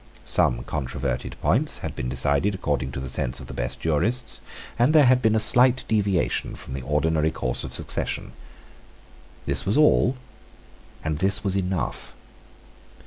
Some controverted points had been decided according to the sense of the best jurists; and there had been a slight deviation from the ordinary course of succession. This was all; and this was enough.